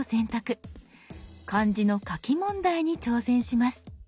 漢字の書き問題に挑戦します。